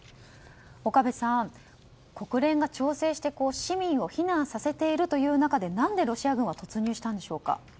岡部さん、国連が調整して市民を避難させている中で何でロシア軍は突入したんでしょうか。